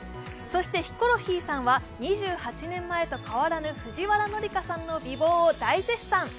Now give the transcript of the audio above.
そして、ヒコロヒーさんは２８年前と変わらぬ藤原紀香さんの美貌を大絶賛。